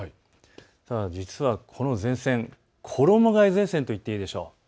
ただ実はこの前線、衣がえ前線と言っていいでしょう。